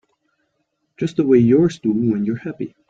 Just the way yours do when you're happy.